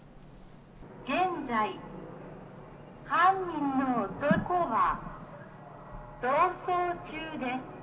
現在、犯人の男は逃走中です。